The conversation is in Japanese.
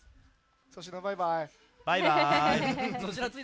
粗品、バイバイ。